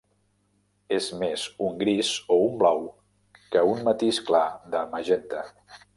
És més un gris o un blau que un matís clar de magenta.